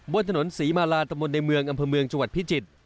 บนถนนศรีมาลาตะมนต์ในเมืองอำเภอเมืองจังหวัดพิจิตร